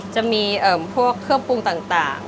จะมีพวกเครื่องปรุงต่าง